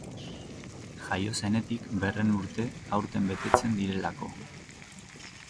Jaio zenetik berrehun urte aurten betetzen direlako.